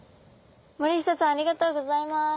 森下さんありがとうございます。